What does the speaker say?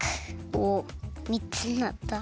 おみっつになった。